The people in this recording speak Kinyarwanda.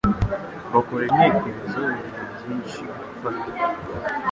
bakoresha intekerezo. Ibihe byinshi gufata